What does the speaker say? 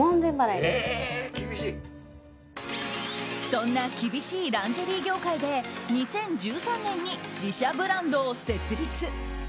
そんな厳しいランジェリー業界で２０１３年に自社ブランドを設立。